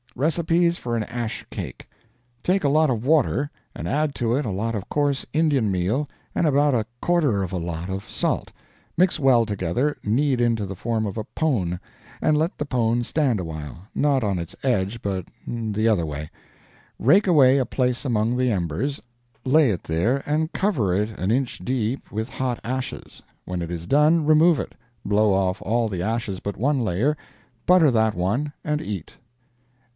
RECIPE FOR AN ASH CAKE Take a lot of water and add to it a lot of coarse Indian meal and about a quarter of a lot of salt. Mix well together, knead into the form of a "pone," and let the pone stand awhile not on its edge, but the other way. Rake away a place among the embers, lay it there, and cover it an inch deep with hot ashes. When it is done, remove it; blow off all the ashes but one layer; butter that one and eat.